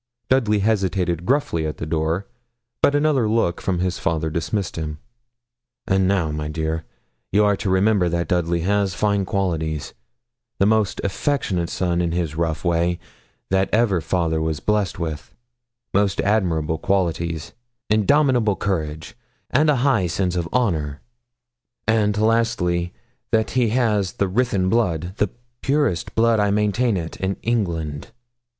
Dudley hesitated gruffly at the door, but another look from his father dismissed him. 'And now, my dear, you are to remember that Dudley has fine qualities the most affectionate son in his rough way that ever father was blessed with; most admirable qualities indomitable courage, and a high sense of honour; and lastly, that he has the Ruthyn blood the purest blood, I maintain it, in England.'